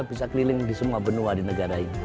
bisa keliling di semua benua di negara ini